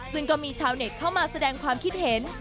ซึ่งก็มีชาวเน็ตเข้ามาแสดงความคิดเห็น